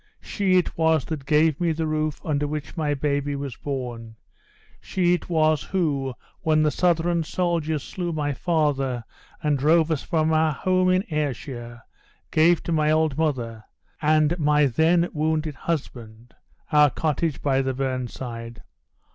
she it was that gave me the roof under which my baby was born; she it was who, when the Southron soldiers slew my father, and drove us from our home in Ayrshire, gave to my old mother, and my then wounded husband, our cottage by the burnside.